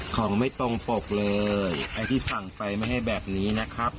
ของไม่ตรงปกเลยไอ้ที่สั่งไปไม่ให้แบบนี้นะครับ